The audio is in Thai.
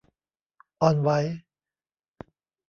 อ่อนไหว